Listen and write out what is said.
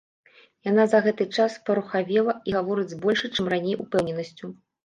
Яна за гэты час парухавела і гаворыць з большай, чым раней, упэўненасцю.